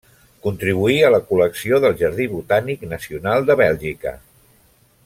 Contribuí a la col·lecció del Jardí botànic nacional de Bèlgica.